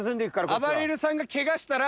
あばれるさんがケガしたら。